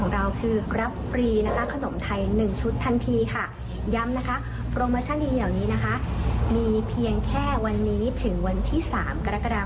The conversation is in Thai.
อย่าลืมอึดหนึ่งกันเยอะนะคะ